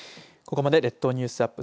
ここまで列島ニュースアップ